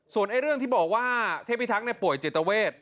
ส่วนเรื่องที่บอกว่าเทพิทักษ์ป่วยจิตเวท